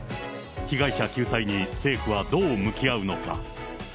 被害者救済に政府はどう向き合うのか。